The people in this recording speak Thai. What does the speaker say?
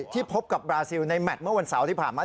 พบกับบราซิลในแมทเมื่อวันเสาร์ที่ผ่านมา